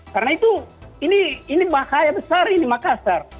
karena itu ini bahaya besar ini makassar